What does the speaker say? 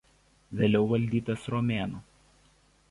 Vėliau valdytas romėnų.